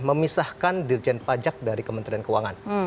memisahkan dirjen pajak dari kementerian keuangan